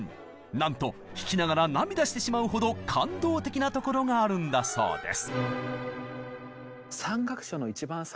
なんと弾きながら涙してしまうほど感動的なところがあるんだそうです。